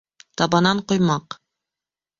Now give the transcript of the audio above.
Табанан ҡоймаҡ.